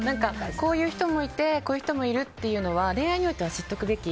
こういう人もいてこういう人もいるというのは恋愛においては知っておくべき。